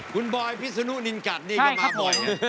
คุณบอยพิศนุนินกัดนี่ก็มาบ่อยไง